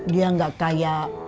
dia gak kayak